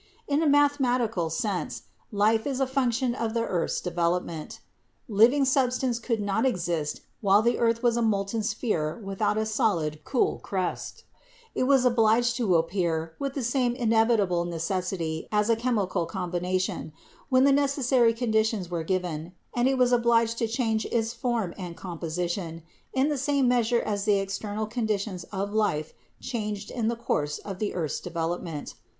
In a mathematical sense, life is a function of the earth's development. Living sub stance could not exist while the earth was a molten sphere without a solid, cool crust; it was obliged to appear with the same inevitable necessity as a chemical combination, when the necessary conditions were given, and it was obliged to change its form and its composition in the same measure as the external conditions of life changed in the course of the earth's development.